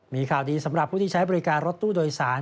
มีข่าวดีสำหรับผู้ที่ใช้บริการรถตู้โดยสาร